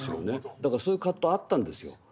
だからそういう葛藤あったんですよ。